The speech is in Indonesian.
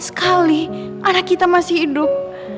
sekali anak kita masih hidup